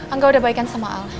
angga udah baikan sama al